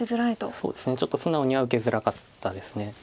そうですねちょっと素直には受けづらかったです。